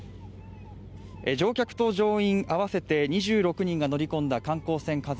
乗客と乗員合わせて２６人が乗り込んだ観光船